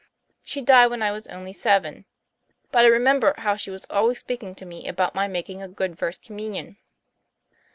She died when I was only seven. But I remember how she was always speaking to me about my making a good First Communion."